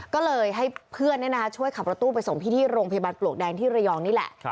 ก็เลยให้เพื่อนช่วยขับรถตู้ไปส่งพี่ที่โรงพยาบาลปลวกแดงที่ระยองนี่แหละ